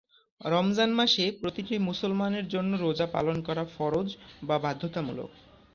রমজান মাসে প্রতিটি মুসলমানের জন্য রোজা পালন করা ফরজ বা বাধ্যতামূলক।